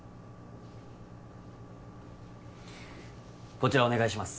こちらお願いします